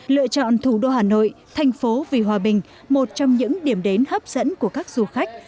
lựa chọn thủ đô hà nội thành phố vì hòa bình một trong những điểm đến hấp dẫn của các du khách